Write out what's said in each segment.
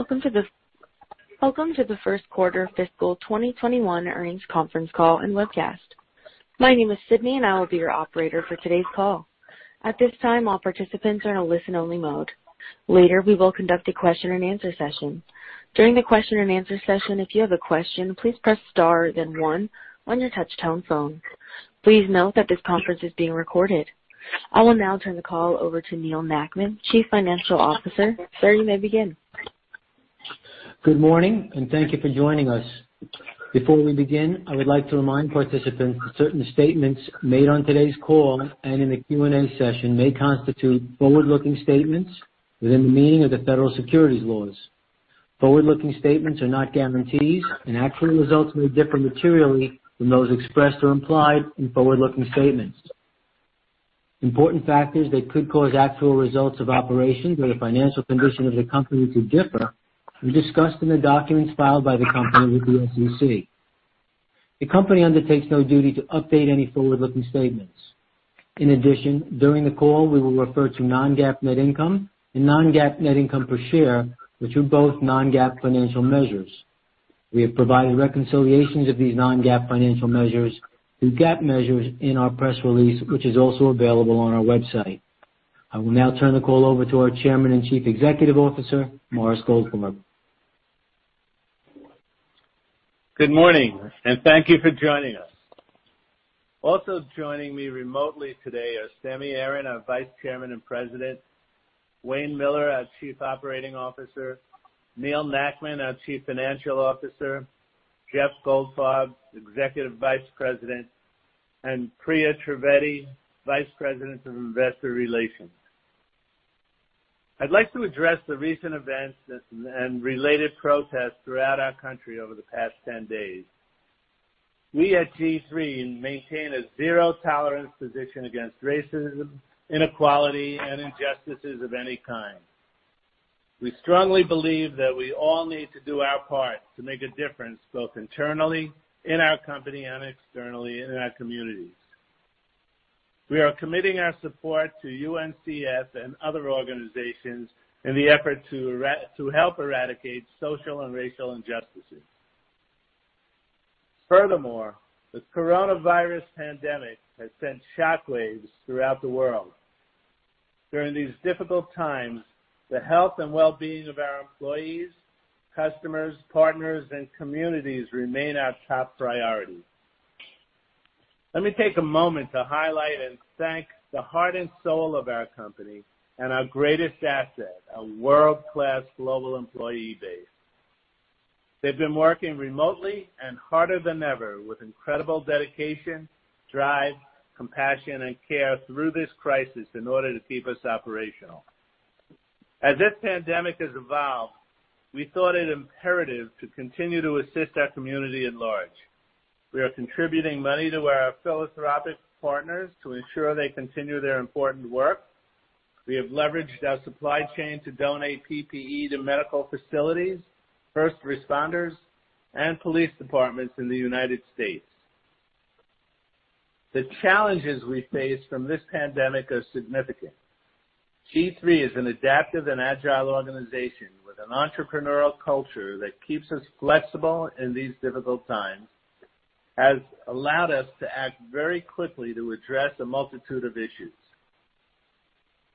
Welcome to the first quarter fiscal 2021 earnings conference call and webcast. My name is Sydney. I will be your operator for today's call. At this time, all participants are in a listen-only mode. Later, we will conduct a question and answer session. During the question and answer session, if you have a question, please press star then one on your touch-tone phone. Please note that this conference is being recorded. I will now turn the call over to Neal Nackman, Chief Financial Officer. Sir, you may begin. Good morning, and thank you for joining us. Before we begin, I would like to remind participants that certain statements made on today's call and in the Q&A session may constitute forward-looking statements within the meaning of the federal securities laws. Forward-looking statements are not guarantees, and actual results may differ materially from those expressed or implied in forward-looking statements. Important factors that could cause actual results of operations or the financial condition of the company to differ are discussed in the documents filed by the company with the SEC. The company undertakes no duty to update any forward-looking statements. In addition, during the call, we will refer to non-GAAP net income and non-GAAP net income per share, which are both non-GAAP financial measures. We have provided reconciliations of these non-GAAP financial measures through GAAP measures in our press release, which is also available on our website. I will now turn the call over to our Chairman and Chief Executive Officer, Morris Goldfarb. Good morning, and thank you for joining us. Also joining me remotely today are Sammy Aaron, our Vice Chairman and President, Wayne Miller, our Chief Operating Officer, Neal Nackman, our Chief Financial Officer, Jeff Goldfarb, Executive Vice President, and Priya Trivedi, Vice President of Investor Relations. I'd like to address the recent events and related protests throughout our country over the past 10 days. We at G-III maintain a zero-tolerance position against racism, inequality, and injustices of any kind. We strongly believe that we all need to do our part to make a difference, both internally in our company and externally in our communities. We are committing our support to UNCF and other organizations in the effort to help eradicate social and racial injustices. The coronavirus pandemic has sent shockwaves throughout the world. During these difficult times, the health and well-being of our employees, customers, partners, and communities remain our top priority. Let me take a moment to highlight and thank the heart and soul of our company and our greatest asset, a world-class global employee base. They've been working remotely and harder than ever with incredible dedication, drive, compassion, and care through this crisis in order to keep us operational. As this pandemic has evolved, we thought it imperative to continue to assist our community at large. We are contributing money to our philanthropic partners to ensure they continue their important work. We have leveraged our supply chain to donate PPE to medical facilities, first responders, and police departments in the U.S. The challenges we face from this pandemic are significant. G-III is an adaptive and agile organization with an entrepreneurial culture that keeps us flexible in these difficult times, has allowed us to act very quickly to address a multitude of issues.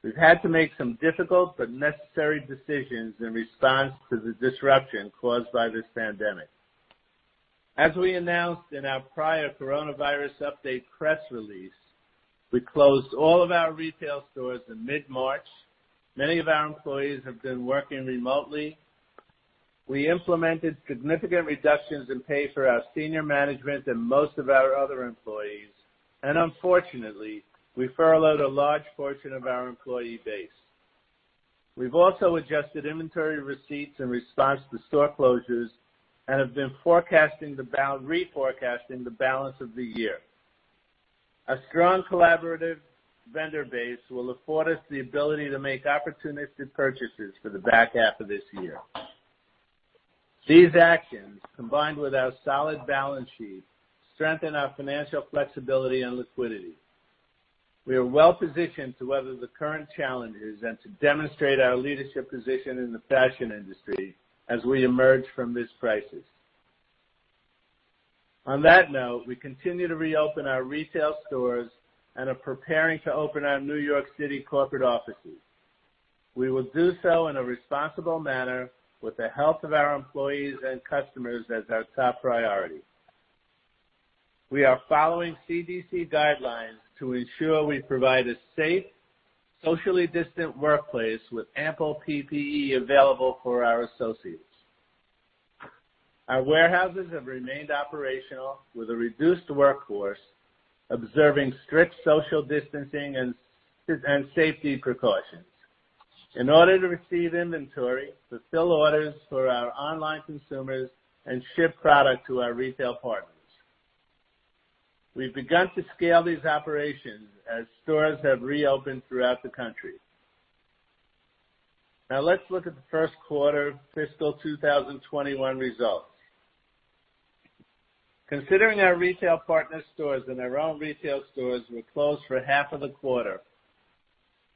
We've had to make some difficult but necessary decisions in response to the disruption caused by this pandemic. As we announced in our prior coronavirus update press release, we closed all of our retail stores in mid-March. Many of our employees have been working remotely. We implemented significant reductions in pay for our senior management and most of our other employees. Unfortunately, we furloughed a large portion of our employee base. We've also adjusted inventory receipts in response to store closures and have been reforecasting the balance of the year. A strong collaborative vendor base will afford us the ability to make opportunistic purchases for the back half of this year. These actions, combined with our solid balance sheet, strengthen our financial flexibility and liquidity. We are well-positioned to weather the current challenges and to demonstrate our leadership position in the fashion industry as we emerge from this crisis. On that note, we continue to reopen our retail stores and are preparing to open our New York City corporate offices. We will do so in a responsible manner with the health of our employees and customers as our top priority. We are following CDC guidelines to ensure we provide a safe, socially distant workplace with ample PPE available for our associates. Our warehouses have remained operational with a reduced workforce, observing strict social distancing and safety precautions in order to receive inventory, fulfill orders for our online consumers, and ship product to our retail partners. We've begun to scale these operations as stores have reopened throughout the country. Let's look at the first quarter fiscal 2021 results. Considering our retail partner stores and our own retail stores were closed for half of the quarter,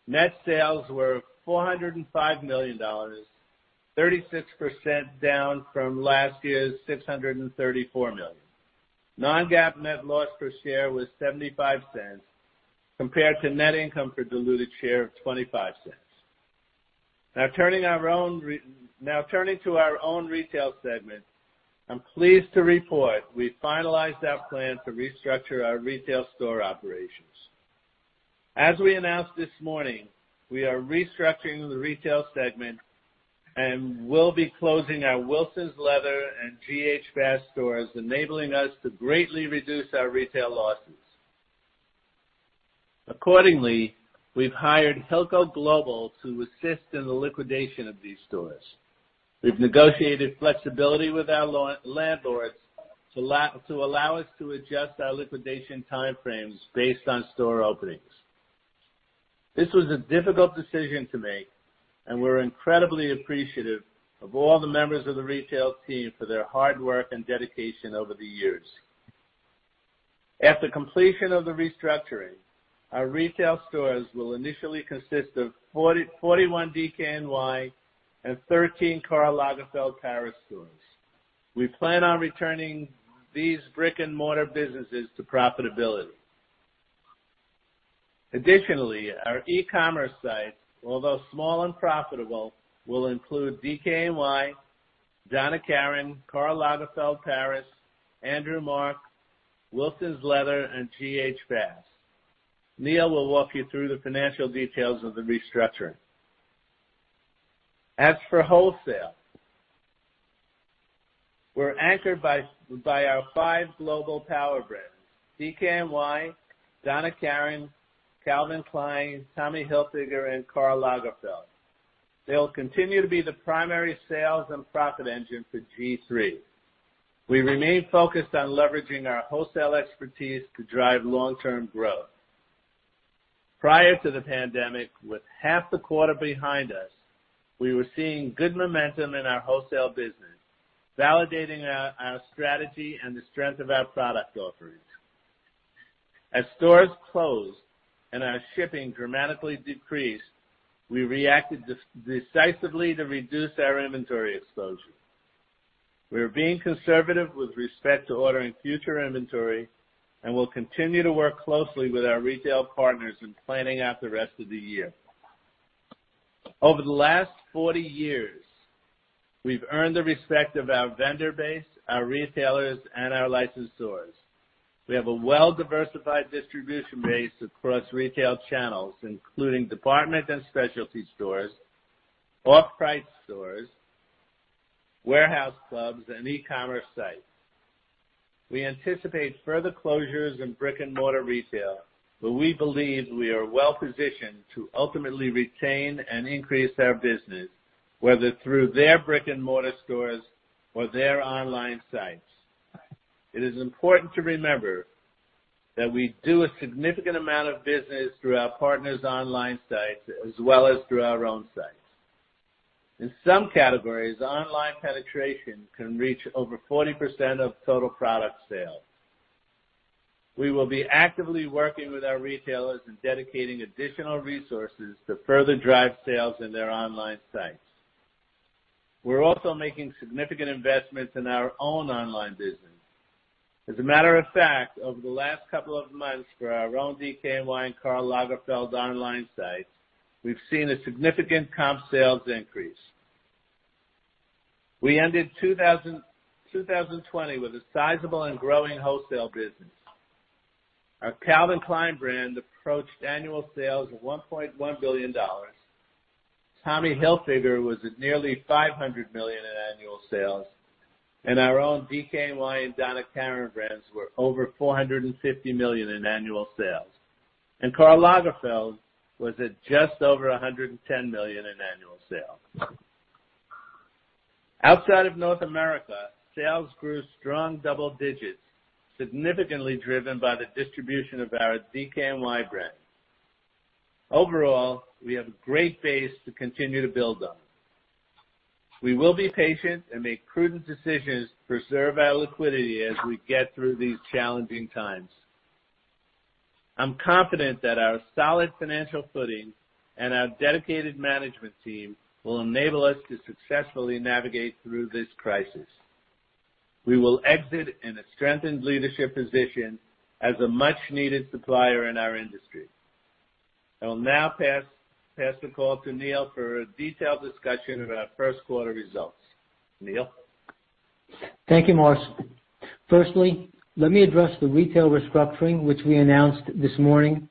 net sales were $405 million, 36% down from last year's $634 million. Non-GAAP net loss per share was $0.75, compared to net income per diluted share of $0.25. Turning to our own retail segment, I'm pleased to report we finalized our plan to restructure our retail store operations. As we announced this morning, we are restructuring the retail segment, and we'll be closing our Wilsons Leather and G.H. Bass stores, enabling us to greatly reduce our retail losses. Accordingly, we've hired Hilco Global to assist in the liquidation of these stores. We've negotiated flexibility with our landlords to allow us to adjust our liquidation timeframes based on store openings. This was a difficult decision to make, and we're incredibly appreciative of all the members of the retail team for their hard work and dedication over the years. At the completion of the restructuring, our retail stores will initially consist of 41 DKNY and 13 Karl Lagerfeld Paris stores. We plan on returning these brick-and-mortar businesses to profitability. Additionally, our e-commerce site, although small and profitable, will include DKNY, Donna Karan, Karl Lagerfeld Paris, Andrew Marc, Wilsons Leather, and G.H. Bass. Neal will walk you through the financial details of the restructuring. As for wholesale, we're anchored by our five global power brands, DKNY, Donna Karan, Calvin Klein, Tommy Hilfiger, and Karl Lagerfeld. They'll continue to be the primary sales and profit engine for G-III. We remain focused on leveraging our wholesale expertise to drive long-term growth. Prior to the pandemic, with half the quarter behind us, we were seeing good momentum in our wholesale business, validating our strategy and the strength of our product offerings. As stores closed and our shipping dramatically decreased, we reacted decisively to reduce our inventory exposure. We're being conservative with respect to ordering future inventory, and we'll continue to work closely with our retail partners in planning out the rest of the year. Over the last 40 years, we've earned the respect of our vendor base, our retailers, and our license stores. We have a well-diversified distribution base across retail channels, including department and specialty stores, off-price stores, warehouse clubs, and e-commerce sites. We anticipate further closures in brick-and-mortar retail, we believe we are well positioned to ultimately retain and increase our business, whether through their brick-and-mortar stores or their online sites. It is important to remember that we do a significant amount of business through our partners' online sites, as well as through our own sites. In some categories, online penetration can reach over 40% of total product sales. We will be actively working with our retailers in dedicating additional resources to further drive sales in their online sites. We're also making significant investments in our own online business. As a matter of fact, over the last couple of months for our own DKNY and Karl Lagerfeld online sites, we've seen a significant comp sales increase. We ended 2020 with a sizable and growing wholesale business. Our Calvin Klein brand approached annual sales of $1.1 billion. Tommy Hilfiger was at nearly $500 million in annual sales. Our own DKNY and Donna Karan brands were over $450 million in annual sales. Karl Lagerfeld was at just over $110 million in annual sales. Outside of North America, sales grew strong double digits, significantly driven by the distribution of our DKNY brand. Overall, we have a great base to continue to build on. We will be patient and make prudent decisions to preserve our liquidity as we get through these challenging times. I'm confident that our solid financial footing and our dedicated management team will enable us to successfully navigate through this crisis. We will exit in a strengthened leadership position as a much-needed supplier in our industry. I will now pass the call to Neal for a detailed discussion of our first quarter results. Neal? Thank you, Morris. Firstly, let me address the retail restructuring, which we announced this morning,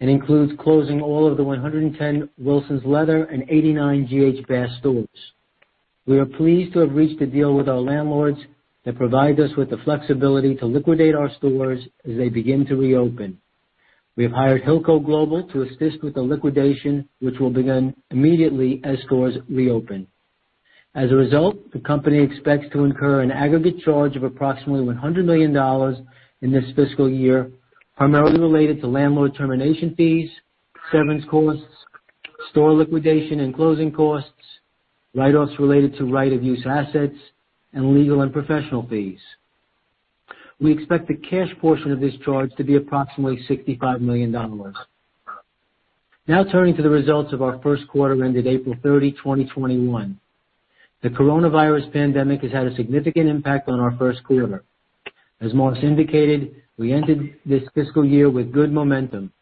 and includes closing all of the 110 Wilsons Leather and 89 G.H. Bass stores. We are pleased to have reached a deal with our landlords that provide us with the flexibility to liquidate our stores as they begin to reopen. We have hired Hilco Global to assist with the liquidation, which will begin immediately as stores reopen. As a result, the company expects to incur an aggregate charge of approximately $100 million in this fiscal year, primarily related to landlord termination fees, severance costs, store liquidation and closing costs, write-offs related to right of use assets, and legal and professional fees. We expect the cash portion of this charge to be approximately $65 million. Now turning to the results of our first quarter ended April 30, 2020. The coronavirus pandemic has had a significant impact on our first quarter. As Morris indicated, we ended this fiscal year with good momentum.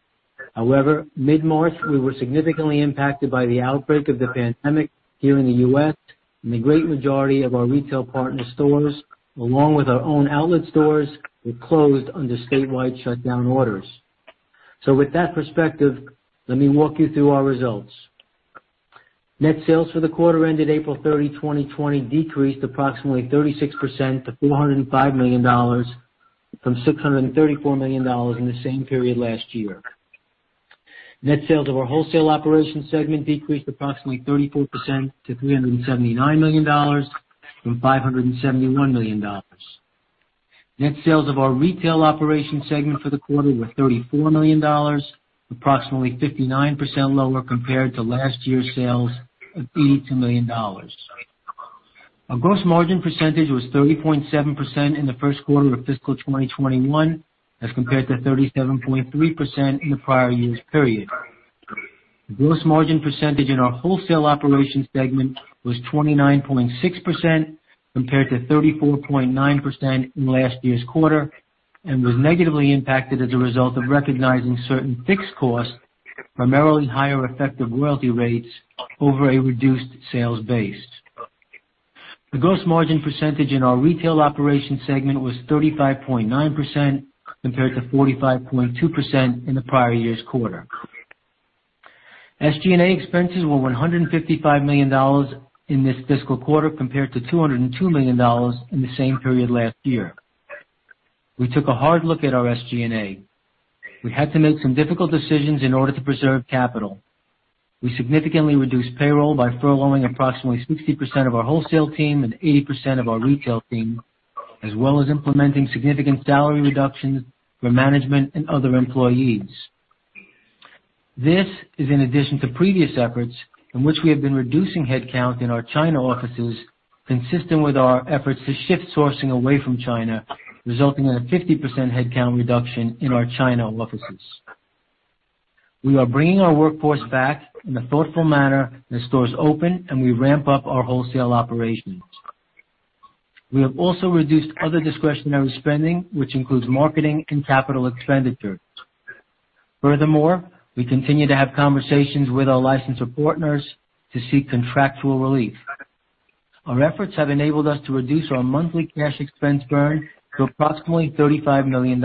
However, mid-March, we were significantly impacted by the outbreak of the pandemic here in the U.S., and the great majority of our retail partner stores, along with our own outlet stores, were closed under statewide shutdown orders. With that perspective, let me walk you through our results. Net sales for the quarter ended April 30, 2020, decreased approximately 36% to $405 million from $634 million in the same period last year. Net sales of our wholesale operations segment decreased approximately 34% to $379 million from $571 million. Net sales of our retail operations segment for the quarter were $34 million, approximately 59% lower compared to last year's sales of $82 million. Our gross margin percentage was 30.7% in the first quarter of fiscal 2021 as compared to 37.3% in the prior year's period. Gross margin percentage in our wholesale operations segment was 29.6% compared to 34.9% in last year's quarter and was negatively impacted as a result of recognizing certain fixed costs, primarily higher effective royalty rates over a reduced sales base. The gross margin percentage in our retail operations segment was 35.9% compared to 45.2% in the prior year's quarter. SG&A expenses were $155 million in this fiscal quarter compared to $202 million in the same period last year. We took a hard look at our SG&A. We had to make some difficult decisions in order to preserve capital. We significantly reduced payroll by furloughing approximately 60% of our wholesale team and 80% of our retail team, as well as implementing significant salary reductions for management and other employees. This is in addition to previous efforts in which we have been reducing headcount in our China offices consistent with our efforts to shift sourcing away from China, resulting in a 50% headcount reduction in our China offices. We are bringing our workforce back in a thoughtful manner as stores open and we ramp up our wholesale operations. We have also reduced other discretionary spending, which includes marketing and capital expenditures. Furthermore, we continue to have conversations with our licensor partners to seek contractual relief. Our efforts have enabled us to reduce our monthly cash expense burn to approximately $35 million.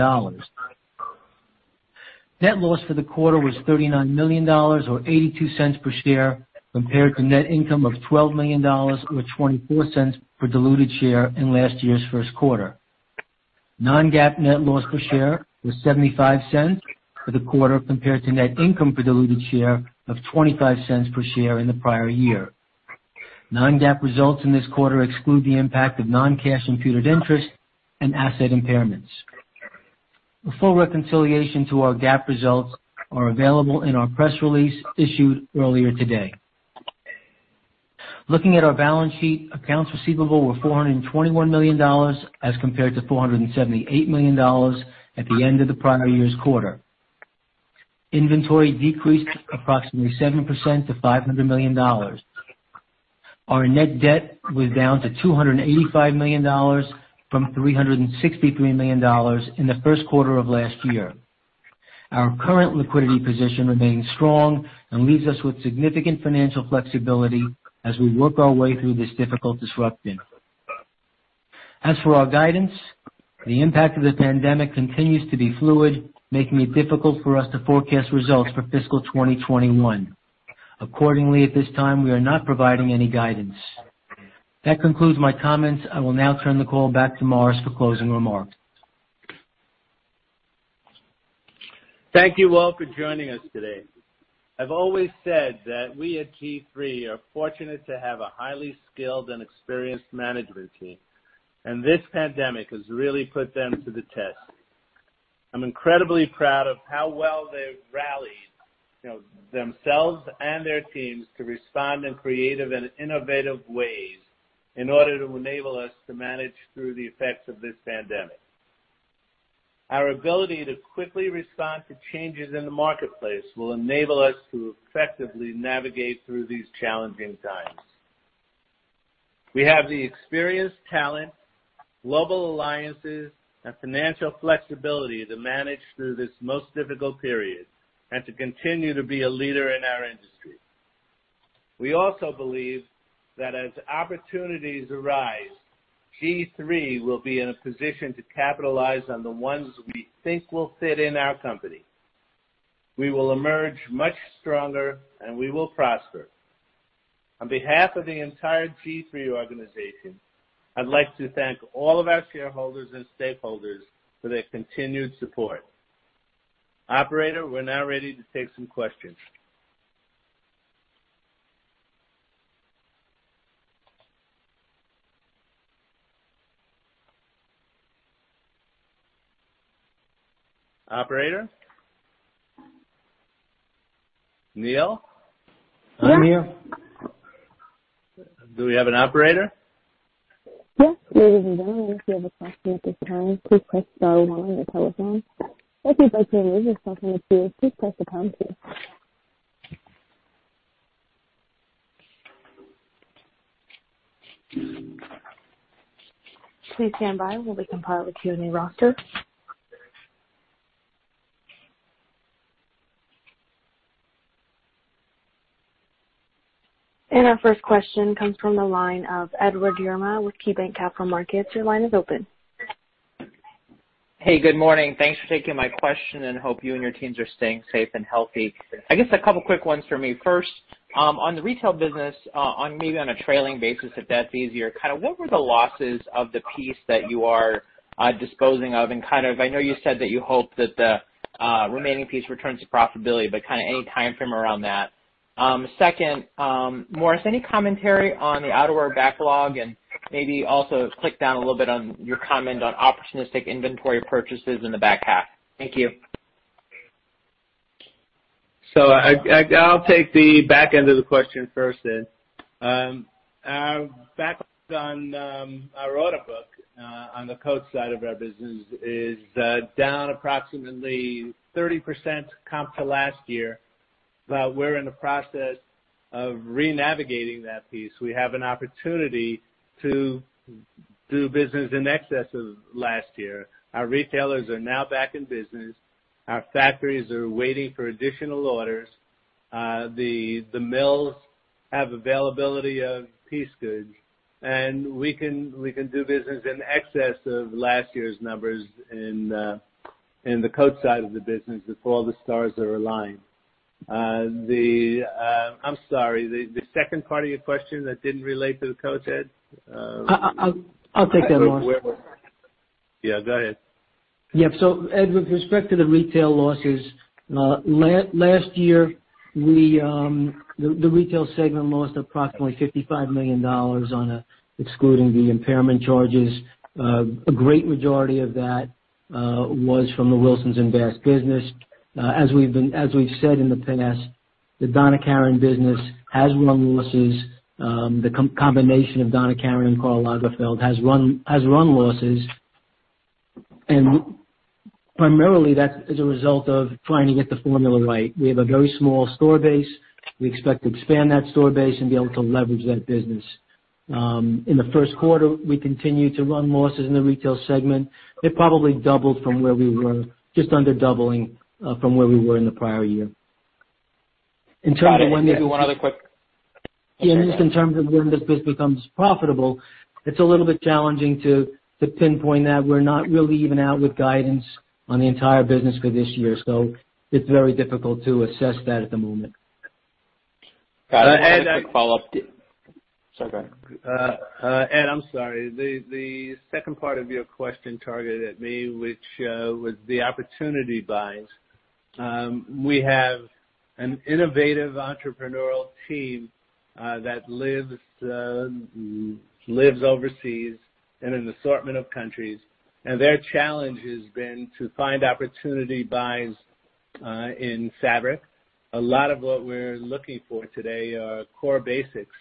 Net loss for the quarter was $39 million, or $0.82 per share, compared to net income of $12 million, or $0.24 per diluted share in last year's first quarter. Non-GAAP net loss per share was $0.75 for the quarter compared to net income per diluted share of $0.25 per share in the prior year. Non-GAAP results in this quarter exclude the impact of non-cash computed interest and asset impairments. A full reconciliation to our GAAP results are available in our press release issued earlier today. Looking at our balance sheet, accounts receivable were $421 million as compared to $478 million at the end of the prior year's quarter. Inventory decreased approximately 7% to $500 million. Our net debt was down to $285 million from $363 million in the first quarter of last year. Our current liquidity position remains strong and leaves us with significant financial flexibility as we work our way through this difficult disruption. As for our guidance, the impact of the pandemic continues to be fluid, making it difficult for us to forecast results for fiscal 2021. Accordingly, at this time, we are not providing any guidance. That concludes my comments. I will now turn the call back to Morris for closing remarks. Thank you all for joining us today. I've always said that we at G-III are fortunate to have a highly skilled and experienced management team, and this pandemic has really put them to the test. I'm incredibly proud of how well they've rallied themselves and their teams to respond in creative and innovative ways in order to enable us to manage through the effects of this pandemic. Our ability to quickly respond to changes in the marketplace will enable us to effectively navigate through these challenging times. We have the experience, talent, global alliances, and financial flexibility to manage through this most difficult period and to continue to be a leader in our industry. We also believe that as opportunities arise, G-III will be in a position to capitalize on the ones we think will fit in our company. We will emerge much stronger, and we will prosper. On behalf of the entire G-III organization, I'd like to thank all of our shareholders and stakeholders for their continued support. Operator, we're now ready to take some questions. Operator? Neal? I'm Neal. Do we have an operator? Yes. Ladies and gentlemen, if you have a question at this time, please press star one on your telephone. If you'd like to remove yourself from the queue, please press the pound key. Please stand by while we compile the Q&A roster. Our first question comes from the line of Edward Yruma with KeyBanc Capital Markets. Your line is open. Hey, good morning. Thanks for taking my question. Hope you and your teams are staying safe and healthy. I guess a couple quick ones for me. First, on the retail business, on maybe on a trailing basis, if that's easier, what were the losses of the piece that you are disposing of? I know you said that you hope that the remaining piece returns to profitability, but any timeframe around that? Second, Morris, any commentary on the outerwear backlog? Maybe also click down a little bit on your comment on opportunistic inventory purchases in the back half. Thank you. I'll take the back end of the question first then. Back on our order book, on the coat side of our business, is down approximately 30% comp to last year. We're in the process of renavigating that piece. We have an opportunity to do business in excess of last year. Our retailers are now back in business. Our factories are waiting for additional orders. The mills have availability of piece goods, and we can do business in excess of last year's numbers in the coat side of the business if all the stars are aligned. I'm sorry, the second part of your question that didn't relate to the coat, Edward? I'll take that one. Yeah, go ahead. Ed, with respect to the retail losses, last year, the retail segment lost approximately $55 million excluding the impairment charges. A great majority of that was from the Wilsons Leather and G.H. Bass business. As we've said in the past, the Donna Karan business has run losses. The combination of Donna Karan and Karl Lagerfeld has run losses, and primarily that's as a result of trying to get the formula right. We have a very small store base. We expect to expand that store base and be able to leverage that business. In the first quarter, we continued to run losses in the retail segment. It probably doubled from where we were, just under doubling, from where we were in the prior year. Got it. Can I do one other quick? Yeah. Just in terms of when this business becomes profitable, it's a little bit challenging to pinpoint that. We're not really even out with guidance on the entire business for this year. It's very difficult to assess that at the moment. Got it. I had a quick follow-up. And I- Sorry, go ahead. Edward, I'm sorry. The second part of your question targeted at me, which was the opportunity buys. Their challenge has been to find opportunity buys in fabric. A lot of what we're looking for today are core basics.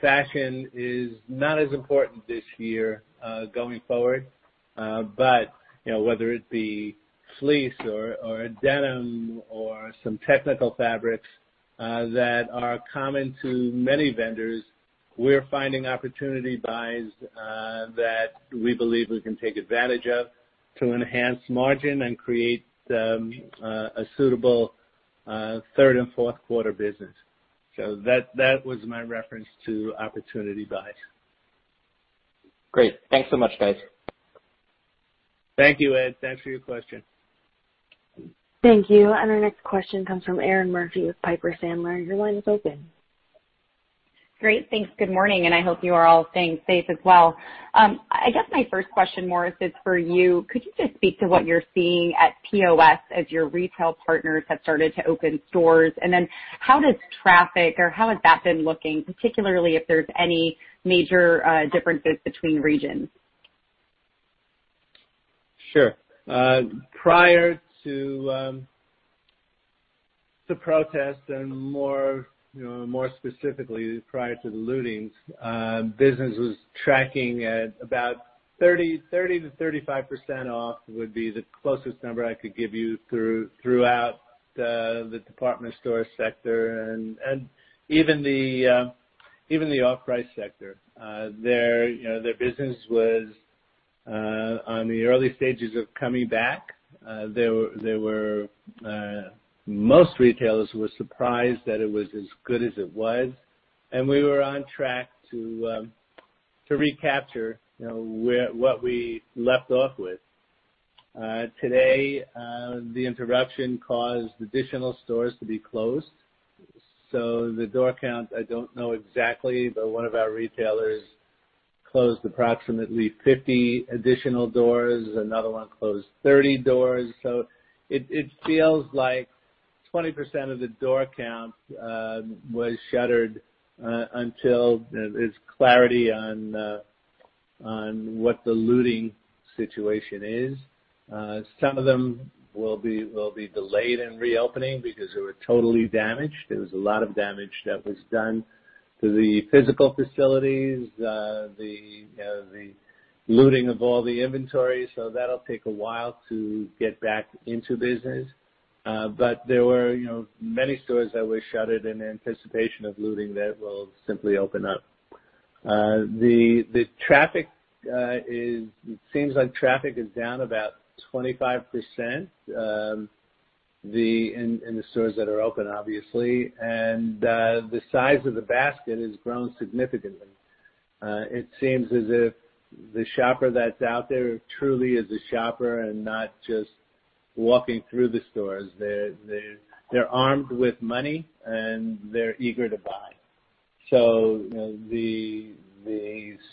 Fashion is not as important this year going forward. Whether it be fleece or denim or some technical fabrics that are common to many vendors, we're finding opportunity buys that we believe we can take advantage of to enhance margin and create a suitable third and fourth quarter business. That was my reference to opportunity buys. Great. Thanks so much, guys. Thank you, Edward. Thanks for your question. Thank you. Our next question comes from Erinn Murphy with Piper Sandler. Your line is open. Great. Thanks. Good morning. I hope you are all staying safe as well. I guess my first question, Morris, is for you. Could you just speak to what you're seeing at POS as your retail partners have started to open stores? How does traffic, or how has that been looking, particularly if there's any major differences between regions? Sure. Prior to the protests and more specifically, prior to the lootings, business was tracking at about 30%-35% off, would be the closest number I could give you, throughout the department store sector and even the off-price sector. Their business was on the early stages of coming back. Most retailers were surprised that it was as good as it was, and we were on track to recapture what we left off with. Today, the interruption caused additional stores to be closed. The door count, I don't know exactly, but one of our retailers closed approximately 50 additional doors. Another one closed 30 doors. It feels like 20% of the door count was shuttered until there's clarity on what the looting situation is. Some of them will be delayed in reopening because they were totally damaged. There was a lot of damage that was done to the physical facilities, the looting of all the inventory. That'll take a while to get back into business. There were many stores that were shuttered in anticipation of looting that will simply open up. It seems like traffic is down about 25% in the stores that are open, obviously, and the size of the basket has grown significantly. It seems as if the shopper that's out there truly is a shopper and not just walking through the stores. They're armed with money, and they're eager to buy. The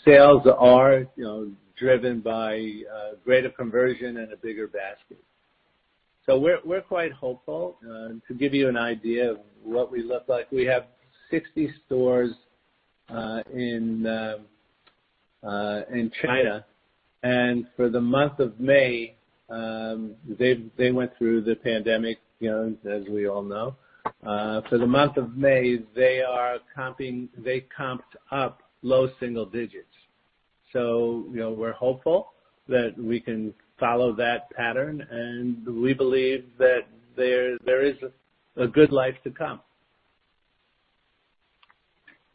sales are driven by greater conversion and a bigger basket. We're quite hopeful. To give you an idea of what we look like, we have 60 stores in China, and for the month of May, they went through the pandemic, as we all know. For the month of May, they comped up low single digits. We're hopeful that we can follow that pattern, and we believe that there is a good life to come.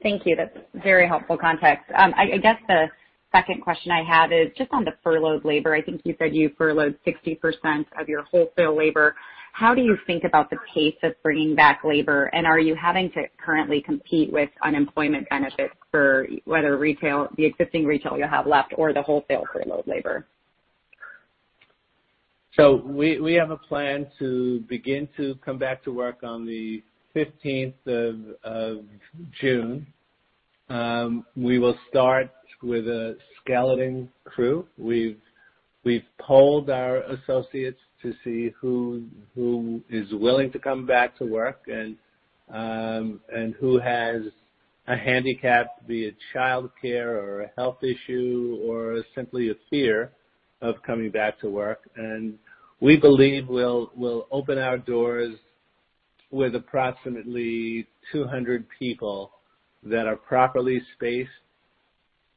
Thank you. That's very helpful context. I guess the second question I have is just on the furloughed labor. I think you said you furloughed 60% of your wholesale labor. How do you think about the pace of bringing back labor? Are you having to currently compete with unemployment benefits for whether the existing retail you have left or the wholesale furloughed labor? We have a plan to begin to come back to work on the 15th of June. We will start with a skeleton crew. We've polled our associates to see who is willing to come back to work and who has a handicap, be it childcare or a health issue, or simply a fear of coming back to work. We believe we'll open our doors with approximately 200 people that are properly spaced,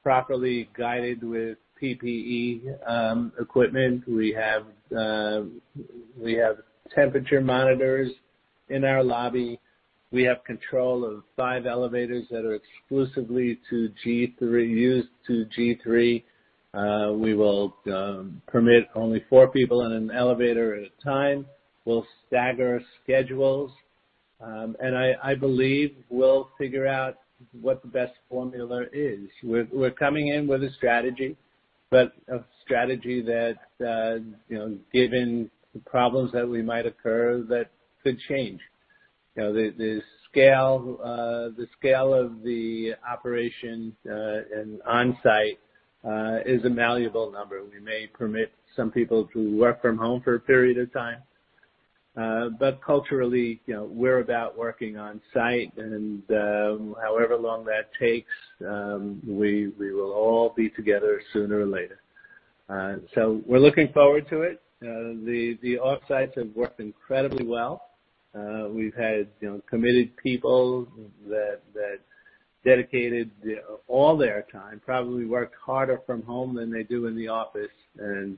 properly guided with PPE equipment. We have temperature monitors in our lobby. We have control of five elevators that are exclusively used to G-III. We will permit only four people in an elevator at a time. We'll stagger schedules. I believe we'll figure out what the best formula is. We're coming in with a strategy, but a strategy that given the problems that we might occur, that could change. The scale of the operation and on-site is a malleable number. We may permit some people to work from home for a period of time. Culturally, we're about working on-site, and however long that takes, we will all be together sooner or later. We're looking forward to it. The offsites have worked incredibly well. We've had committed people that dedicated all their time, probably worked harder from home than they do in the office, and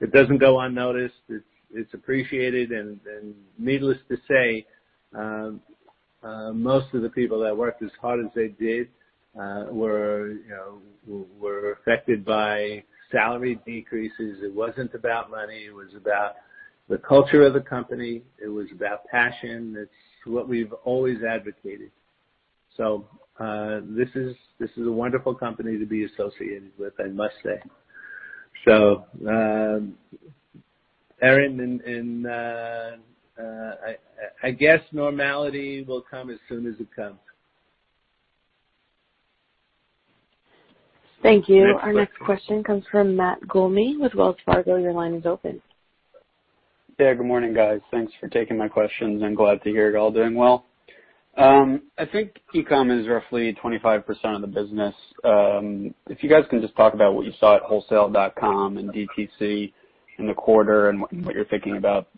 it doesn't go unnoticed. It's appreciated and needless to say, most of the people that worked as hard as they did were affected by salary decreases. It wasn't about money. It was about the culture of the company. It was about passion. It's what we've always advocated. This is a wonderful company to be associated with, I must say. Erinn, I guess normality will come as soon as it comes. Thank you. Next question. Our next question comes from Matt Gulmi with Wells Fargo. Your line is open. Good morning, guys. Thanks for taking my questions. I'm glad to hear you're all doing well. I think e-com is roughly 25% of the business. If you guys can just talk about what you saw at wholesale.com and DTC in the quarter and what you're thinking about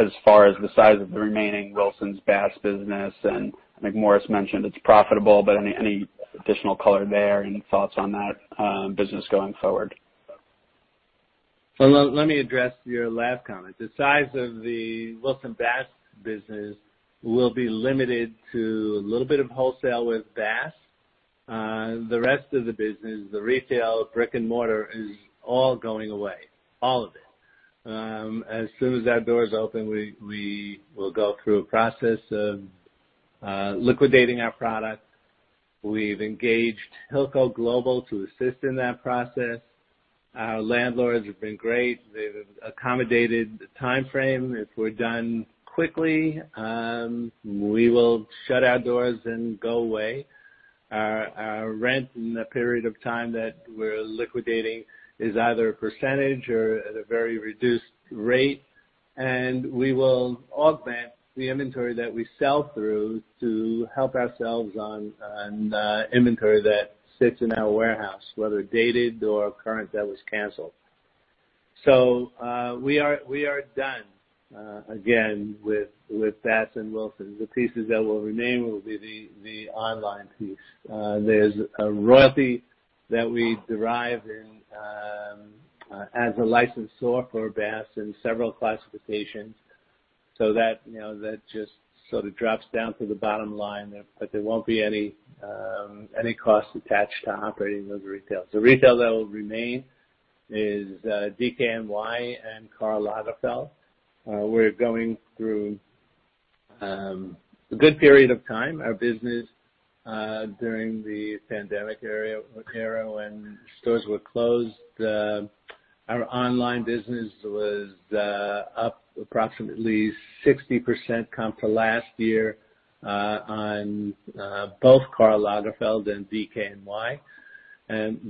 as far as the size of the remaining Wilsons Bass business, and I think Morris mentioned it's profitable. Any additional color there? Any thoughts on that business going forward? Let me address your last comment. The size of the Wilson Bass business will be limited to a little bit of wholesale with Bass. The rest of the business, the retail brick and mortar, is all going away. All of it. As soon as that door is open, we will go through a process of liquidating our product. We've engaged Hilco Global to assist in that process. Our landlords have been great. They've accommodated the timeframe. If we're done quickly, we will shut our doors and go away. Our rent in the period of time that we're liquidating is either a percentage or at a very reduced rate. We will augment the inventory that we sell through to help ourselves on inventory that sits in our warehouse, whether dated or current that was canceled. We are done, again, with Bass and Wilson. The pieces that will remain will be the online piece. There's a royalty that we derive as a licensor for Bass in several classifications. That just sort of drops down to the bottom line there. There won't be any costs attached to operating those retails. The retail that will remain is DKNY and Karl Lagerfeld. We're going through a good period of time. Our business during the pandemic era, when stores were closed, our online business was up approximately 60% comp to last year on both Karl Lagerfeld and DKNY.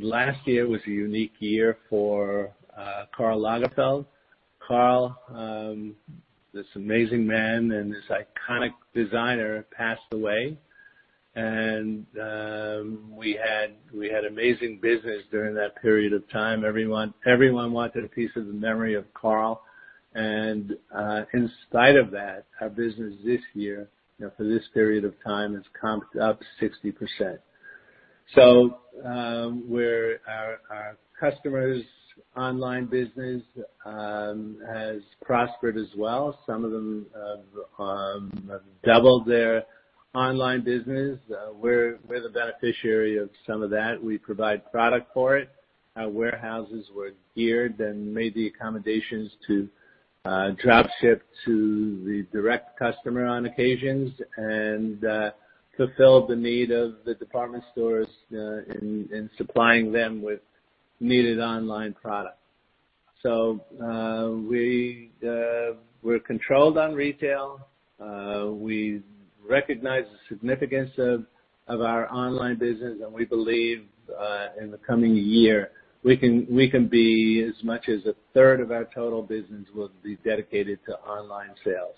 Last year was a unique year for Karl Lagerfeld. Karl, this amazing man and this iconic designer, passed away. We had amazing business during that period of time. Everyone wanted a piece of the memory of Karl. In spite of that, our business this year, for this period of time, has comped up 60%. Our customers' online business has prospered as well. Some of them have doubled their online business. We're the beneficiary of some of that. We provide product for it. Our warehouses were geared and made the accommodations to drop ship to the direct customer on occasions, and fulfilled the need of the department stores in supplying them with needed online product. We're controlled on retail. We recognize the significance of our online business, and we believe in the coming year, we can be as much as a third of our total business will be dedicated to online sales.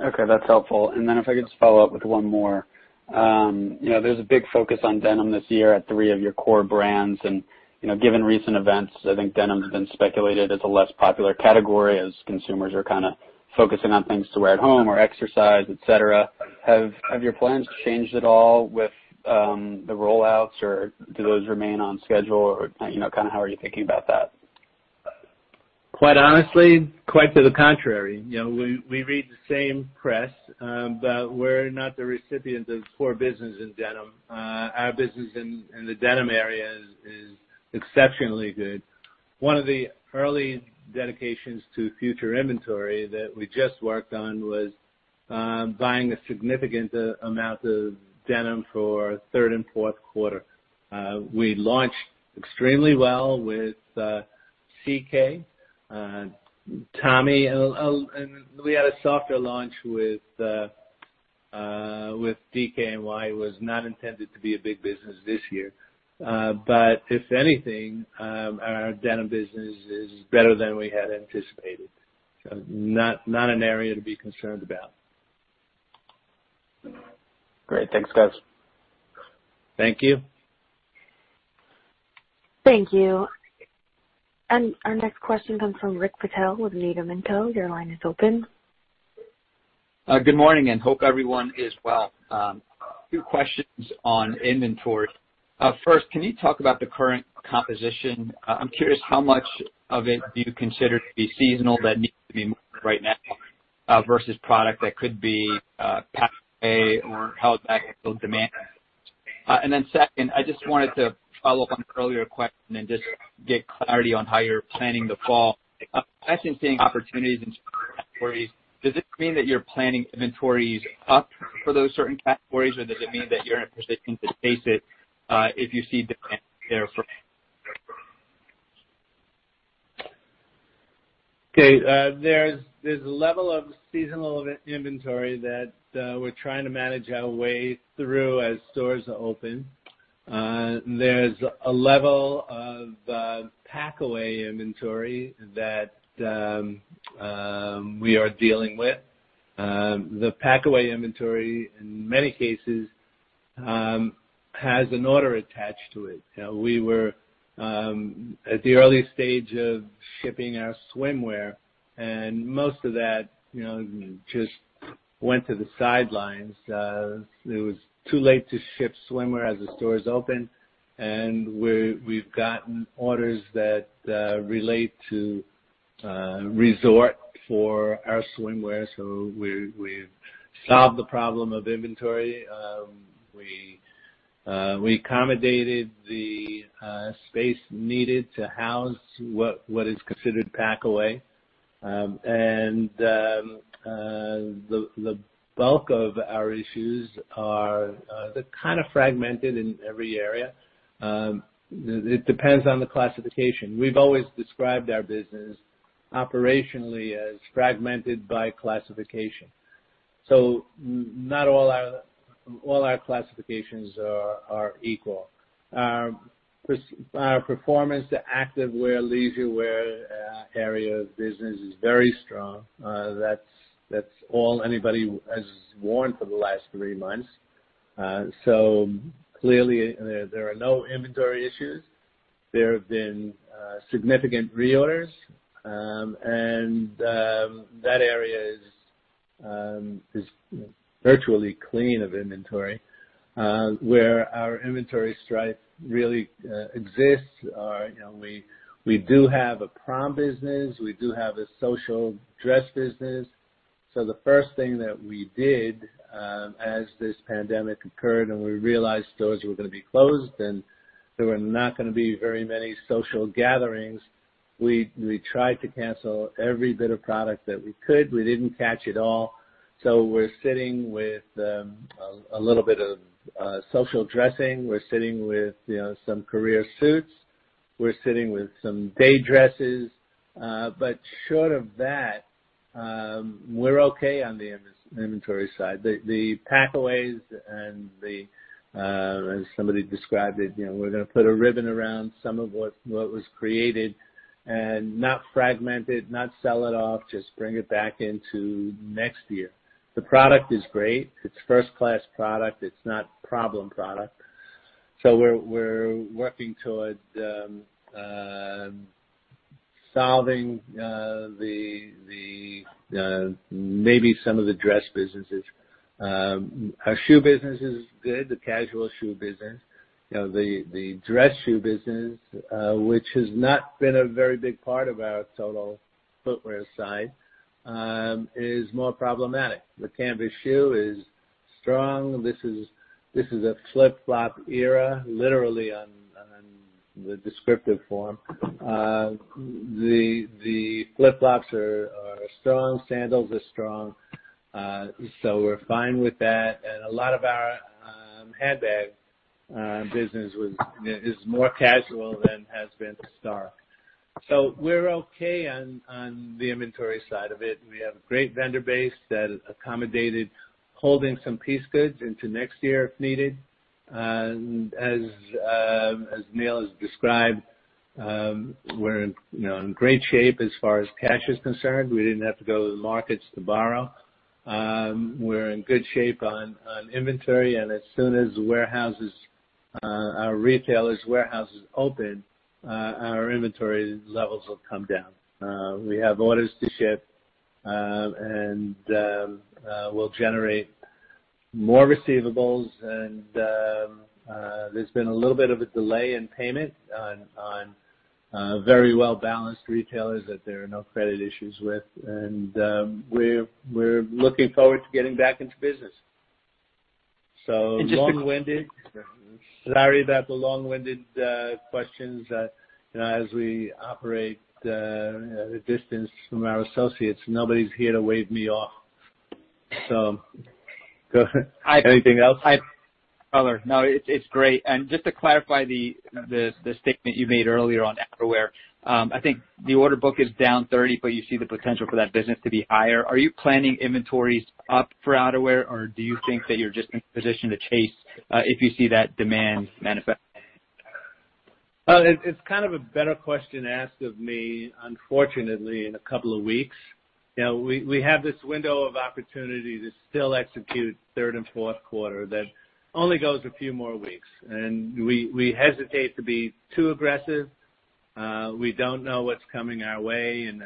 Okay, that's helpful. Then if I could just follow up with one more. There's a big focus on denim this year at three of your core brands. Given recent events, I think denim has been speculated as a less popular category as consumers are kind of focusing on things to wear at home or exercise, et cetera. Have your plans changed at all with the rollouts, or do those remain on schedule? How are you thinking about that? Quite honestly, quite to the contrary. We read the same press, we're not the recipient of poor business in denim. Our business in the denim area is exceptionally good. One of the early dedications to future inventory that we just worked on was buying a significant amount of denim for third and fourth quarter. We launched extremely well with CK, Tommy, we had a softer launch with DKNY. It was not intended to be a big business this year. If anything, our denim business is better than we had anticipated. Not an area to be concerned about. Great. Thanks, guys. Thank you. Thank you. Our next question comes from Rick Patel with Needham. Your line is open. Good morning, and hope everyone is well. Two questions on inventory. First, can you talk about the current composition? I'm curious how much of it do you consider to be seasonal that needs to be moved right now versus product that could be pack away or held back until demand? Second, I just wanted to follow up on an earlier question and just get clarity on how you're planning the fall. I'm actually seeing opportunities in certain categories. Does this mean that you're planning inventories up for those certain categories, or does it mean that you're in a position to face it if you see demand there for? Okay. There's a level of seasonal inventory that we're trying to manage our way through as stores open. There's a level of pack-away inventory that we are dealing with. The pack-away inventory, in many cases has an order attached to it. We were at the early stage of shipping our swimwear, and most of that just went to the sidelines. It was too late to ship swimwear as the stores opened. We've gotten orders that relate to resort for our swimwear, so we've solved the problem of inventory. We accommodated the space needed to house what is considered pack away. The bulk of our issues are kind of fragmented in every area. It depends on the classification. We've always described our business operationally as fragmented by classification. Not all our classifications are equal. Our performance, the active wear, leisure wear area of business is very strong. That's all anybody has worn for the last three months. Clearly, there are no inventory issues. There have been significant reorders. That area is virtually clean of inventory. Where our inventory strife really exists are, we do have a prom business, we do have a social dress business. The first thing that we did, as this pandemic occurred and we realized stores were going to be closed and there were not going to be very many social gatherings, we tried to cancel every bit of product that we could. We didn't catch it all. We're sitting with a little bit of social dressing. We're sitting with some career suits. We're sitting with some day dresses. Short of that, we're okay on the inventory side. The pack-aways and the, as somebody described it, we're going to put a ribbon around some of what was created and not fragment it, not sell it off, just bring it back into next year. The product is great. It's first-class product. It's not problem product. We're working towards solving maybe some of the dress businesses. Our shoe business is good, the casual shoe business. The dress shoe business, which has not been a very big part of our total footwear side, is more problematic. The canvas shoe is strong. This is a flip-flop era, literally on the descriptive form. The flip-flops are strong. Sandals are strong. We're fine with that. A lot of our handbag business is more casual than has been in the start. We're okay on the inventory side of it. We have a great vendor base that accommodated holding some piece goods into next year if needed. As Neal has described, we're in great shape as far as cash is concerned. We didn't have to go to the markets to borrow. We're in good shape on inventory, as soon as our retailers' warehouses open, our inventory levels will come down. We have orders to ship, we'll generate more receivables. There's been a little bit of a delay in payment on very well-balanced retailers that there are no credit issues with. We're looking forward to getting back into business. Long-winded. Sorry about the long-winded questions. As we operate at a distance from our associates, nobody's here to wave me off. Anything else? Hi. No, it's great. Just to clarify the statement you made earlier on outerwear. I think the order book is down 30, but you see the potential for that business to be higher. Are you planning inventories up for outerwear, or do you think that you're just in position to chase if you see that demand manifest? Well, it's kind of a better question asked of me, unfortunately, in a couple of weeks. We have this window of opportunity to still execute third and fourth quarter that only goes a few more weeks, and we hesitate to be too aggressive. We don't know what's coming our way in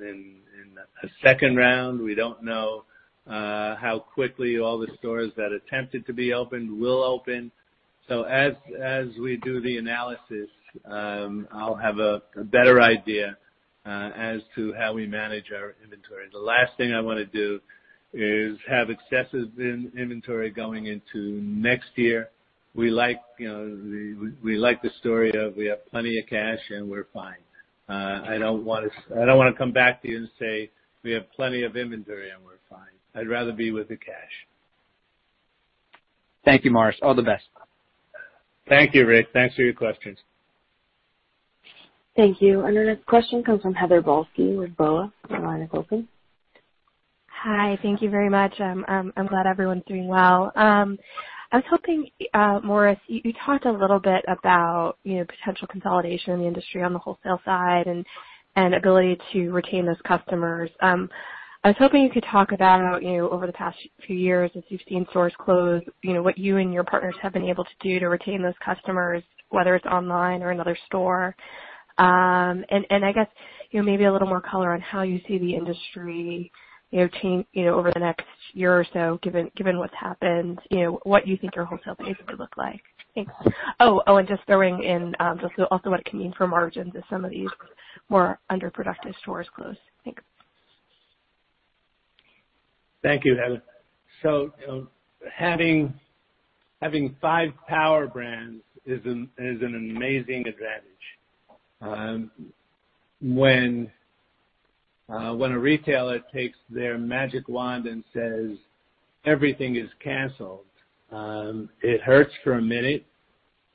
a second round. We don't know how quickly all the stores that attempted to be open will open. As we do the analysis, I'll have a better idea as to how we manage our inventory. The last thing I want to do is have excessive inventory going into next year. We like the story of we have plenty of cash and we're fine. I don't want to come back to you and say, "We have plenty of inventory, and we're fine." I'd rather be with the cash. Thank you, Morris. All the best. Thank you, Rick. Thanks for your questions. Thank you. Our next question comes from Heather Balsky with BofA. Your line is open. Hi. Thank you very much. I'm glad everyone's doing well. I was hoping, Morris, you talked a little bit about potential consolidation in the industry on the wholesale side and ability to retain those customers. I was hoping you could talk about over the past few years as you've seen stores close, what you and your partners have been able to do to retain those customers, whether it's online or another store. I guess maybe a little more color on how you see the industry change over the next year or so, given what's happened, what you think your wholesale base would look like. Thanks. Just throwing in also what it can mean for margins as some of these more underproductive stores close. Thanks. Thank you, Heather. Having five power brands is an amazing advantage. When a retailer takes their magic wand and says, "Everything is canceled," it hurts for a minute.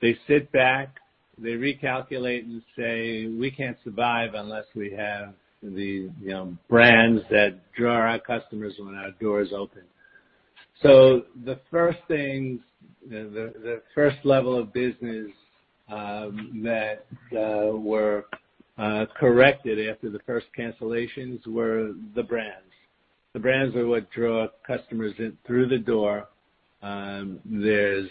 They sit back, they recalculate and say, "We can't survive unless we have the brands that draw our customers when our doors open." The first level of business that were corrected after the first cancellations were the brands. The brands are what draw customers in through the door. Whether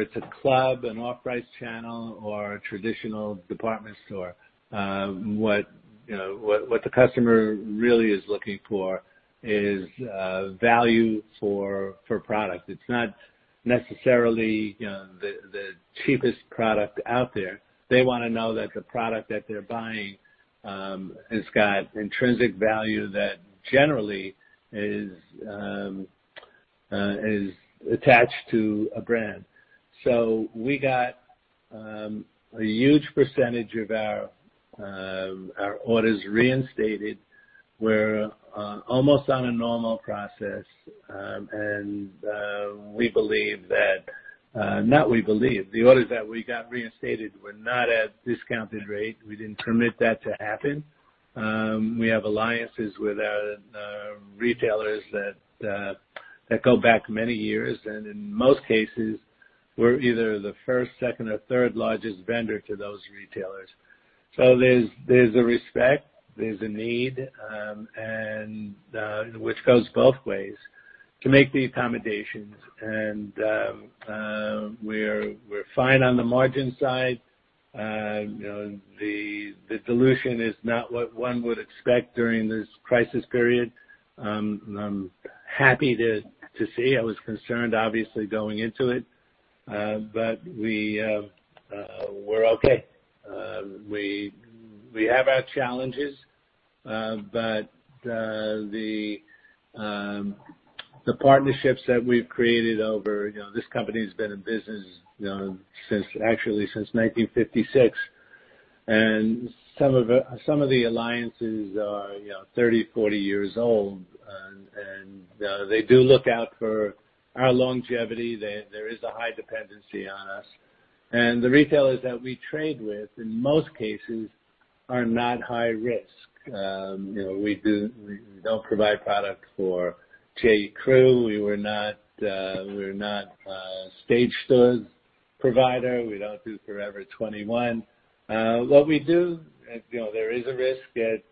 it's a club, an off-price channel, or a traditional department store, what the customer really is looking for is value for product. It's not necessarily the cheapest product out there. They want to know that the product that they're buying has got intrinsic value that generally is attached to a brand. We got a huge percentage of our orders reinstated. We're almost on a normal process. We believe, not we believe, the orders that we got reinstated were not at discounted rate. We didn't permit that to happen. We have alliances with our retailers that go back many years, and in most cases, we're either the first, second, or third largest vendor to those retailers. There's a respect, there's a need, which goes both ways, to make the accommodations. We're fine on the margin side. The dilution is not what one would expect during this crisis period. I'm happy to see. I was concerned, obviously, going into it. We're okay. We have our challenges, but the partnerships that we've created over, this company's been in business actually since 1956, and some of the alliances are 30, 40 years old, and they do look out for our longevity. There is a high dependency on us. The retailers that we trade with, in most cases, are not high risk. We don't provide product for J.Crew. We're not a Stage Stores provider. We don't do Forever 21. What we do, there is a risk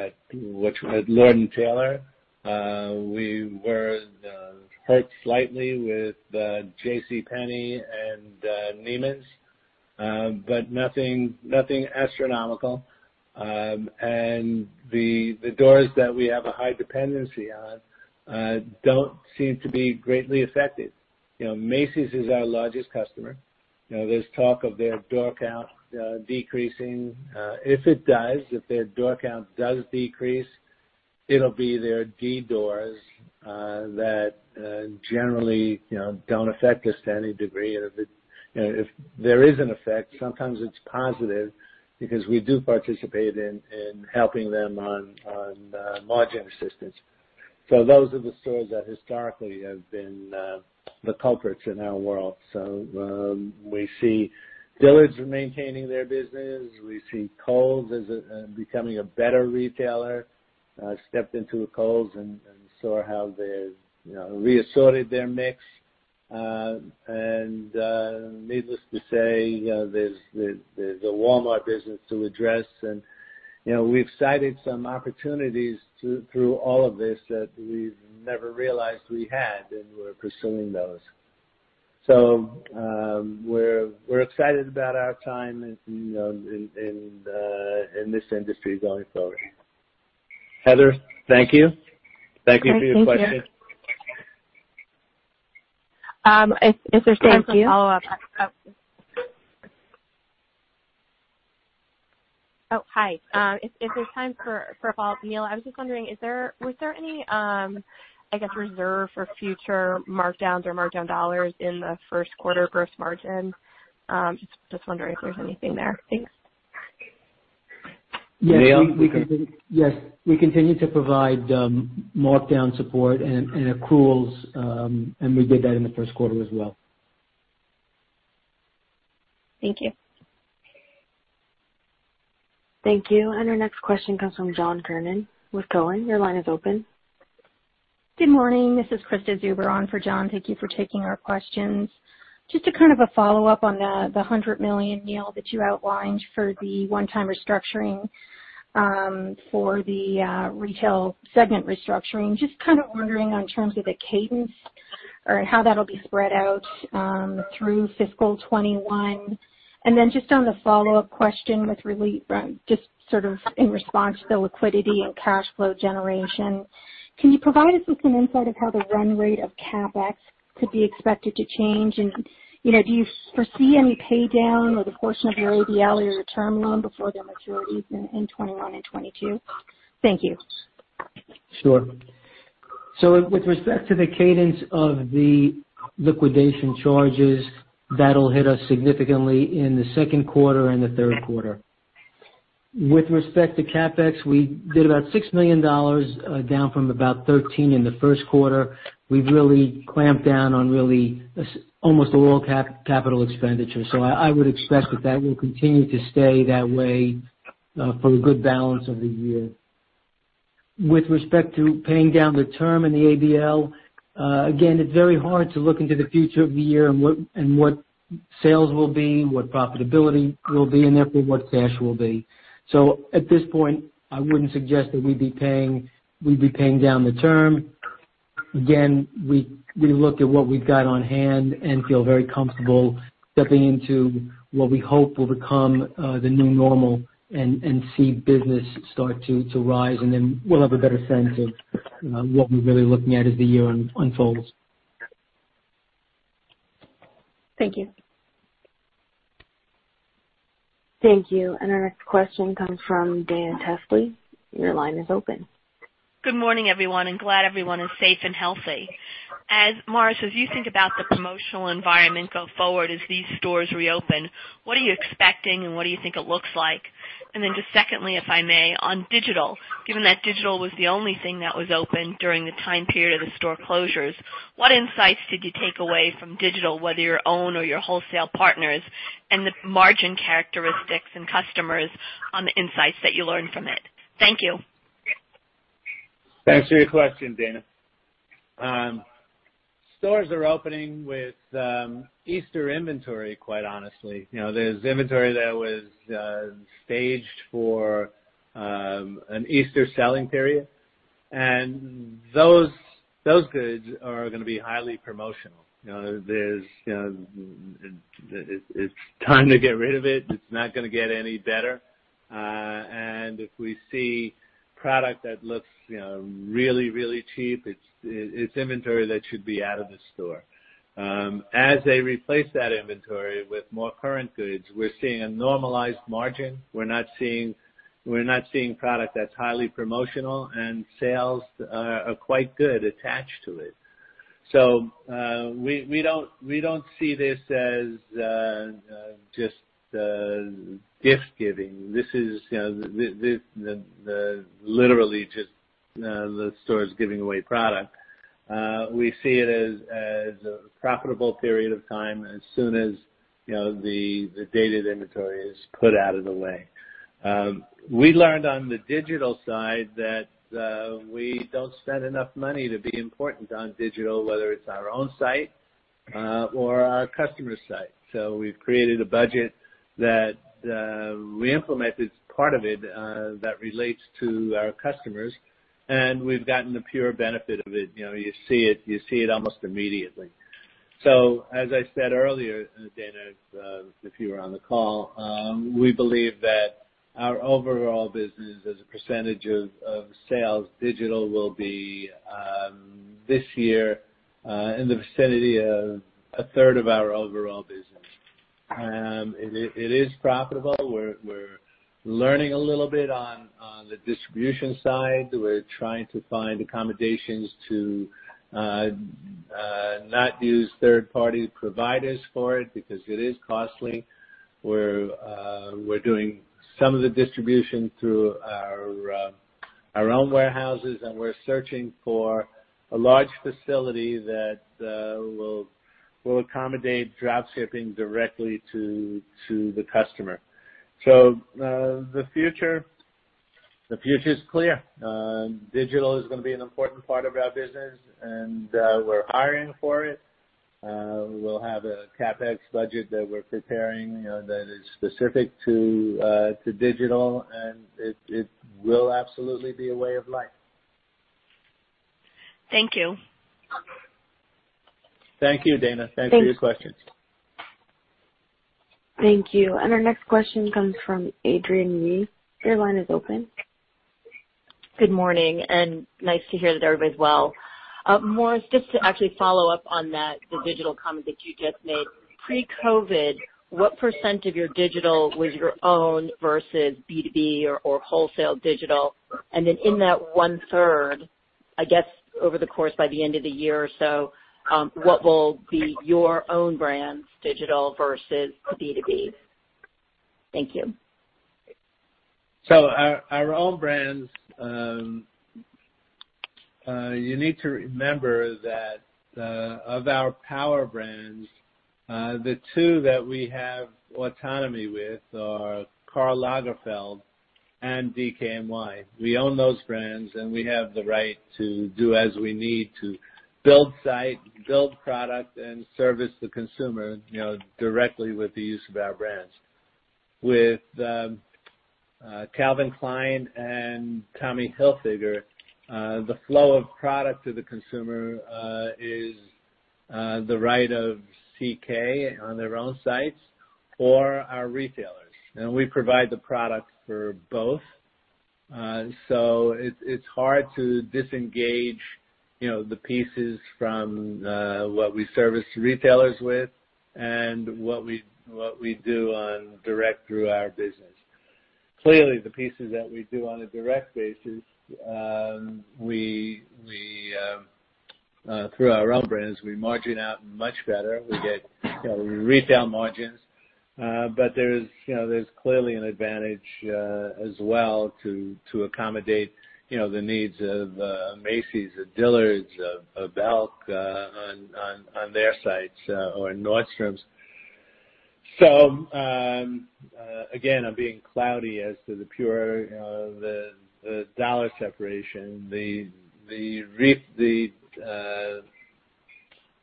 at Lord & Taylor. We were hurt slightly with JCPenney and Neiman's, but nothing astronomical. The doors that we have a high dependency on don't seem to be greatly affected. Macy's is our largest customer. There's talk of their door count decreasing. If it does, if their door count does decrease, it'll be their D doors that generally don't affect us to any degree. If there is an effect, sometimes it's positive because we do participate in helping them on margin assistance. Those are the stores that historically have been the culprits in our world. We see Dillard's maintaining their business. We see Kohl's is becoming a better retailer. I stepped into a Kohl's and saw how they've re-assorted their mix. Needless to say, there's the Walmart business to address. We've cited some opportunities through all of this that we've never realized we had, and we're pursuing those. We're excited about our time in this industry going forward. Heather, thank you. Thank you for your question. Thank you. If there's time for follow-up. Thank you. Oh, hi. If there's time for a follow-up, Neal, I was just wondering, was there any reserve for future markdowns or markdown dollars in the first quarter gross margin? Just wondering if there's anything there. Thanks. Neal? We continue to provide markdown support and accruals, and we did that in the first quarter as well. Thank you. Thank you. Our next question comes from John Kernan with Cowen. Your line is open. Good morning. This is Krista Zuber on for John. Thank you for taking our questions. Just a follow-up on the $100 million, Neal, that you outlined for the one-time restructuring for the retail segment restructuring. Just kind of wondering on terms of the cadence or how that'll be spread out through fiscal 2021. Just on the follow-up question with really just sort of in response to the liquidity and cash flow generation, can you provide us with some insight of how the run rate of CapEx could be expected to change? Do you foresee any pay down or the portion of your ABL or the term loan before their maturities in 2021 and 2022? Thank you. Sure. With respect to the cadence of the liquidation charges, that'll hit us significantly in the second quarter and the third quarter. With respect to CapEx, we did about $6 million, down from about 13 in the first quarter. We've really clamped down on really almost all capital expenditures. I would expect that that will continue to stay that way for the good balance of the year. With respect to paying down the term and the ABL, again, it's very hard to look into the future of the year and what sales will be, what profitability will be, and therefore, what cash will be. At this point, I wouldn't suggest that we'd be paying down the term. We look at what we've got on hand and feel very comfortable stepping into what we hope will become the new normal and see business start to rise, and then we'll have a better sense of what we're really looking at as the year unfolds. Thank you. Thank you. Our next question comes from Dana Telsey. Your line is open. Good morning, everyone. Glad everyone is safe and healthy. Morris, as you think about the promotional environment going forward as these stores reopen, what are you expecting, and what do you think it looks like? Just secondly, if I may, on digital, given that digital was the only thing that was open during the time period of the store closures, what insights did you take away from digital, whether your own or your wholesale partners, and the margin characteristics and customers on the insights that you learned from it? Thank you. Thanks for your question, Dana. Stores are opening with Easter inventory, quite honestly. There's inventory that was staged for an Easter selling period, and those goods are going to be highly promotional. It's time to get rid of it. It's not going to get any better. If we see product that looks really cheap, it's inventory that should be out of the store. As they replace that inventory with more current goods, we're seeing a normalized margin. We're not seeing product that's highly promotional, and sales are quite good attached to it. We don't see this as just gift-giving. This is literally just the stores giving away product. We see it as a profitable period of time as soon as the dated inventory is put out of the way. We learned on the digital side that we don't spend enough money to be important on digital, whether it's our own site or our customer site. We've created a budget that we implemented part of it that relates to our customers, and we've gotten the pure benefit of it. You see it almost immediately. As I said earlier, Dana, if you were on the call, we believe that our overall business as a percentage of sales digital will be, this year, in the vicinity of a third of our overall business. It is profitable. We're learning a little bit on the distribution side. We're trying to find accommodations to not use third-party providers for it because it is costly. We're doing some of the distribution through our own warehouses, and we're searching for a large facility that will accommodate drop shipping directly to the customer. The future is clear. Digital is going to be an important part of our business, and we're hiring for it. We'll have a CapEx budget that we're preparing that is specific to digital, and it will absolutely be a way of life. Thank you. Thank you, Dana. Thanks for your questions. Thank you. Our next question comes from Adrienne Yih. Your line is open. Good morning, nice to hear that everybody's well. Morris, just to actually follow up on that, the digital comment that you just made. Pre-COVID, what percent of your digital was your own versus B2B or wholesale digital? Then in that one-third, I guess over the course by the end of the year or so, what will be your own brand's digital versus B2B? Thank you. Our own brands, you need to remember that of our power brands, the two that we have autonomy with are Karl Lagerfeld and DKNY. We own those brands, and we have the right to do as we need to build site, build product, and service the consumer directly with the use of our brands. With Calvin Klein and Tommy Hilfiger, the flow of product to the consumer is the right of CK on their own sites or our retailers. We provide the product for both. It's hard to disengage the pieces from what we service retailers with and what we do on direct through our business. Clearly, the pieces that we do on a direct basis, through our own brands, we margin out much better. We get retail margins. There's clearly an advantage as well to accommodate the needs of a Macy's, a Dillard's, a Belk on their sites, or a Nordstrom. Again, I'm being cloudy as to the pure dollar separation.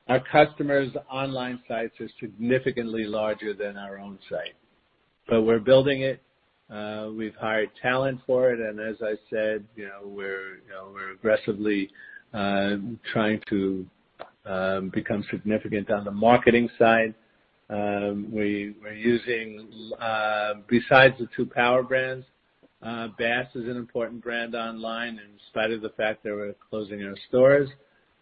Our customers' online sites are significantly larger than our own site. We're building it. We've hired talent for it, and as I said, we're aggressively trying to become significant on the marketing side. Besides the two power brands, Bass is an important brand online in spite of the fact that we're closing our stores.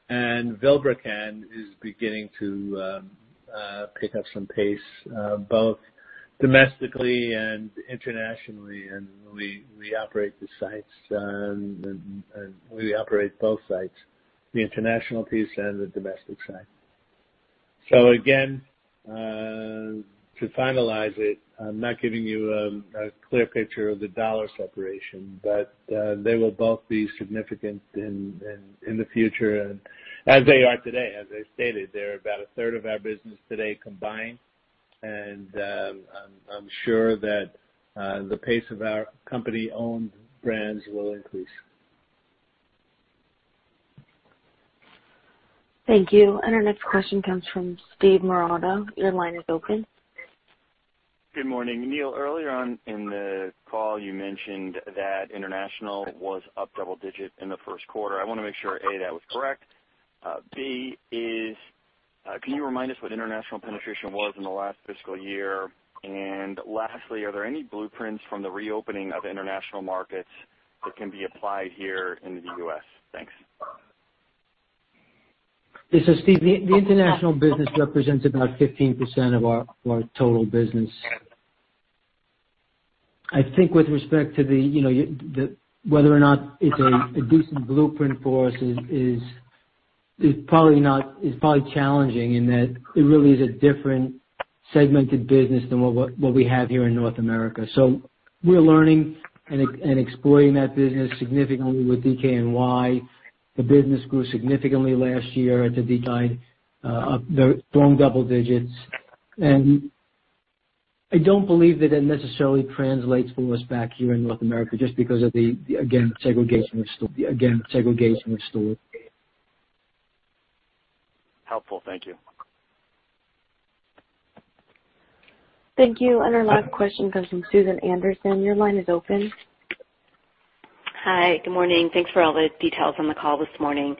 Vilebrequin is beginning to pick up some pace, both domestically and internationally, and we operate the sites. We operate both sites, the international piece and the domestic site. Again, to finalize it, I'm not giving you a clear picture of the dollar separation, but they will both be significant in the future, as they are today. As I stated, they're about a third of our business today combined, and I'm sure that the pace of our company-owned brands will increase. Thank you. Our next question comes from Steve Marotta. Your line is open. Good morning. Neal, earlier on in the call you mentioned that international was up double-digit in the first quarter. I want to make sure, A, that was correct. B, can you remind us what international penetration was in the last fiscal year? Lastly, are there any blueprints from the reopening of international markets that can be applied here in the U.S.? Thanks. Yes. Steve, the international business represents about 15% of our total business. I think with respect to whether or not it's a decent blueprint for us is probably challenging in that it really is a different segmented business than what we have here in North America. We're learning and exploring that business significantly with DKNY. The business grew significantly last year at the decline of strong double digits. I don't believe that it necessarily translates for us back here in North America just because of the, again, segregation of store. Helpful. Thank you. Thank you. Our last question comes from Susan Anderson. Your line is open. Hi. Good morning. Thanks for all the details on the call this morning.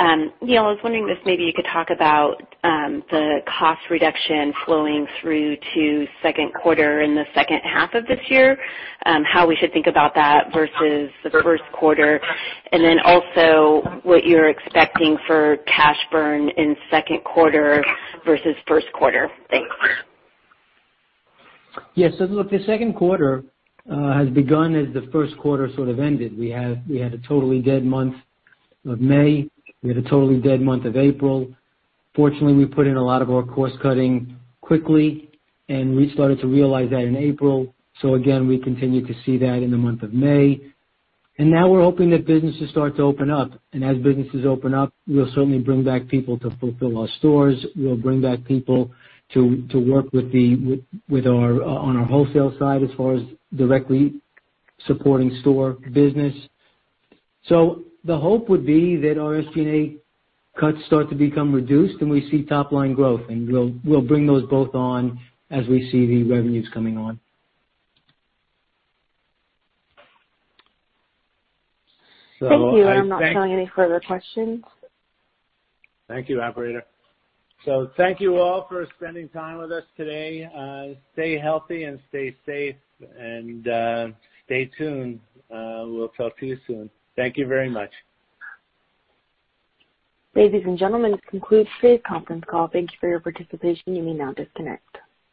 Neal, I was wondering if maybe you could talk about the cost reduction flowing through to second quarter and the second half of this year, how we should think about that versus the first quarter, and then also what you're expecting for cash burn in second quarter versus first quarter. Thanks. Yes. Look, the second quarter has begun as the first quarter sort of ended. We had a totally dead month of May. We had a totally dead month of April. Fortunately, we put in a lot of our cost-cutting quickly, and we started to realize that in April. Again, we continued to see that in the month of May. Now we're hoping that businesses start to open up. As businesses open up, we'll certainly bring back people to fulfill our stores. We'll bring back people to work on our wholesale side as far as directly supporting store business. The hope would be that our SG&A cuts start to become reduced and we see top-line growth, and we'll bring those both on as we see the revenues coming on. Thank you. I'm not showing any further questions. Thank you, operator. Thank you all for spending time with us today. Stay healthy and stay safe, and stay tuned. We'll talk to you soon. Thank you very much. Ladies and gentlemen, this concludes today's conference call. Thank you for your participation. You may now disconnect.